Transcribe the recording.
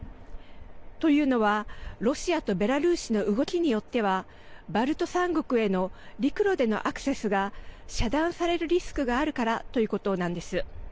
というのはロシアとベラルーシの動きによってはバルト３国への陸路でのアクセスが遮断されるリスクがあるからということなんです。